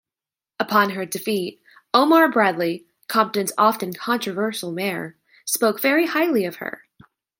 Upon her defeat, Omar Bradley, Compton's often controversial mayor, spoke very highly of her.